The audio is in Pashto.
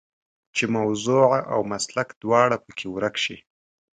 چې موضوع او مسلک دواړه په کې ورک شي.